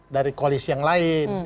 dari koalisi yang lain